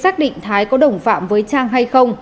thái có đồng phạm với trang hay không